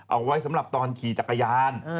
เอาไว้สำหรับตอนขี่จักรยาน